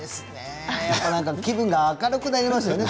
気分が明るくなりますね。